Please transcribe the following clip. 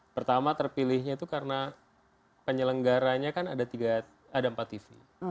pertama terpilihnya itu karena penyelenggaranya kan ada empat tv